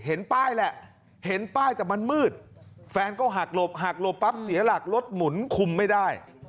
เห็นป้ายแหละเห็นป้ายแต่มันมืดแฟนก็หักหลบหักหลบปั๊บเสียหลักรถหมุนคุมไม่ได้